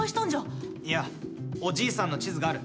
いやおじいさんの地図がある。